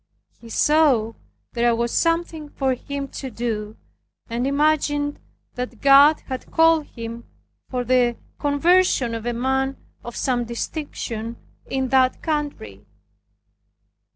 He saw there was something for him to do, and imagined that God had called him for the conversion of a man of some distinction in that country.